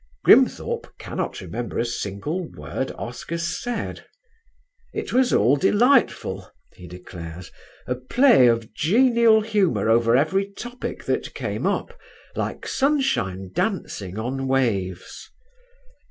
Grimthorpe cannot remember a single word Oscar said: "It was all delightful," he declares, "a play of genial humour over every topic that came up, like sunshine dancing on waves."